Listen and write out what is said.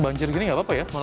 banjir gini nggak apa apa ya